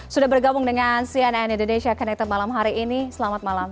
sudah bergabung dengan cnn indonesia connected malam hari ini selamat malam